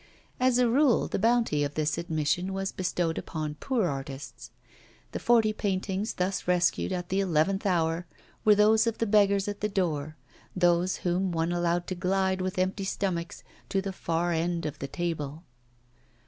As a rule, the bounty of this admission was bestowed upon poor artists. The forty paintings thus rescued at the eleventh hour, were those of the beggars at the door those whom one allowed to glide with empty stomachs to the far end of the table.